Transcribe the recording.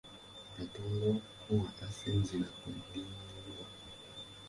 Katonda okukuwa tasinziira ku ddiini yo.